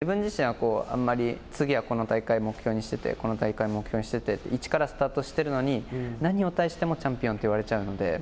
トップに居続けることに対してなんか自分自身はあんまり次はこの大会を目標にしててこの大会を目標にしてて一からスタートしてるのに何に対してもチャンピオンといわれちゃうので。